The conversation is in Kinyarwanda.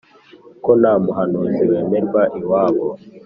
ko nta muhanuzi wemerwa iwabo